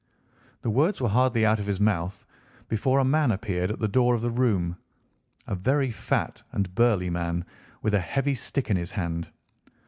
The words were hardly out of his mouth before a man appeared at the door of the room, a very fat and burly man, with a heavy stick in his hand.